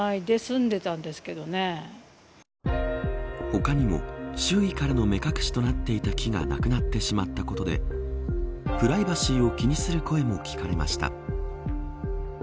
他にも、周囲からの目隠しとなっていた木がなくなってしまったことでプライバシーを気にする声も聞かれました。